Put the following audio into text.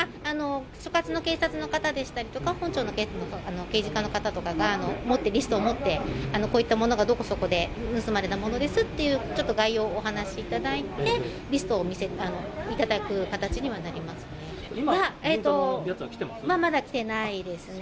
所轄の警察の方でしたりとか、本庁の刑事課の方とかが、持って、リストを持って、こういったものがどこそこで盗まれたものですっていう、ちょっと概要をお話しいただいて、今、銀座のやつはきてます？